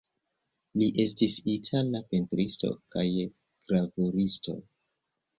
Li estis itala pentristo kaj gravuristo.